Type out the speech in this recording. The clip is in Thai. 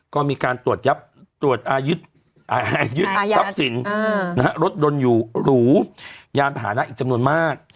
ก็มีการตรวจทับสินรดรณอยู่รูยามภานะอีกจำนวนมาก